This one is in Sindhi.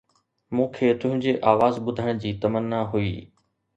مون کي تنهنجي آواز ٻڌڻ جي تمنا هئي